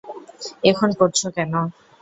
এখন করছো কেন?